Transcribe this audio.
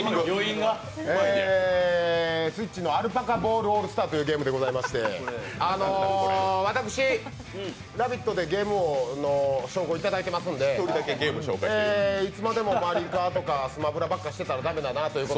「アルパカボールオールスター」というゲームでございまして私、「ラヴィット！」でゲーム王の称号いただいていますのでいつまでもマリカーとかスマブラばっかりしてたら駄目だなと思って。